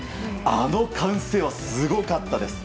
あの歓声はすごかったです！